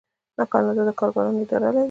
کاناډا د کارګرانو اداره لري.